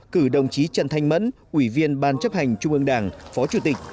cử đồng chí trần thanh mẫn ủy viên ban chấp hành trung ương đảng phó chủ tịch